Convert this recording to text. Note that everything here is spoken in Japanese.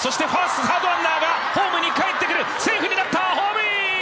サードランナーがホームにかえってくるセーフになった、ホームイン！